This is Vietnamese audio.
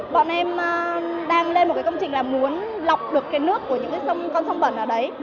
bọn em đang lên một công trình là muốn lọc được nước của những con sông bẩn ở đấy